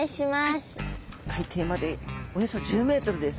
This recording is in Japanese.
海底までおよそ１０ｍです。